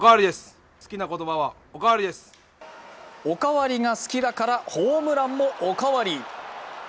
おかわりが好きだからホームランもおかわり。